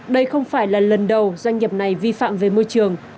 đây không phải là lần đầu doanh nghiệp này vi phạm về môi trường